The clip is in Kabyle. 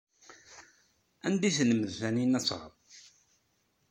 Anda ay telmed Taninna ad tɣer?